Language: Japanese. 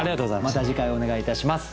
また次回お願いいたします。